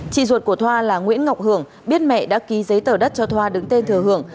chị ruột của thoa là nguyễn ngọc hưởng biết mẹ đã ký giấy tờ đất cho thoa đứng tên thừa hưởng